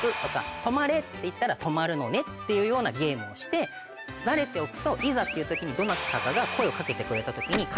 「って言ったら止まるのね」っていうようなゲームをして慣れておくといざっていう時にどなたかが声を掛けてくれた時。